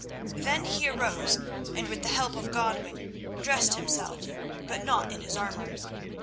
Then he arose, and with the help of Godwin, dressed himself, but not in his armour.